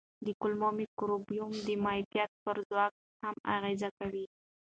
د کولمو مایکروبیوم د معافیت پر ځواک هم اغېز کوي.